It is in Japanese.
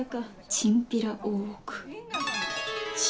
チンピラ大奥。